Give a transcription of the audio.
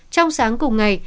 trong sáng cùng ngày